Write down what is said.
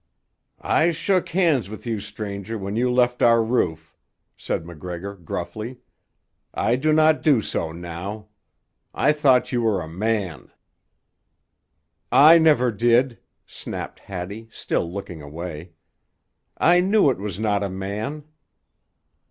"I shook hands with you, stranger, when you left our roof," said MacGregor gruffly. "I do not do so now. I thought you were a man." "I never did!" snapped Hattie, still looking away. "I knew it was not a man."